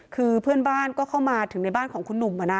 คือเพื่อนบ้านก็เข้ามาถึงในบ้านของคุณหนุ่ม